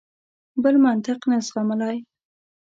بل منطق نه زغملای.